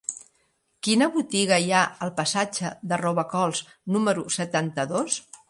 Quina botiga hi ha al passatge de Robacols número setanta-dos?